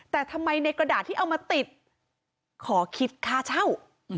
แต่ทำไมในกระดาษที่เอามาติดขอคิดค่าเช่า